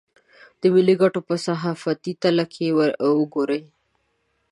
د ملي ګټو په صحافتي تله که وګوري.